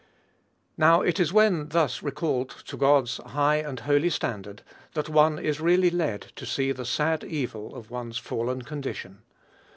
Now, it is when thus recalled to God's high and holy standard, that one is really led to see the sad evil of one's fallen condition.